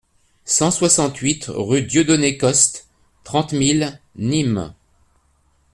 cent soixante-huit rue Dieudonné Coste, trente mille Nîmes